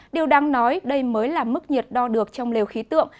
điều đáng nói đây mới là mức nhiệt đo được trong lều khí tượng